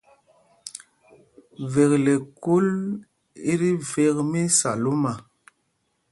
Vekle kûl i tí vek mí Salúma.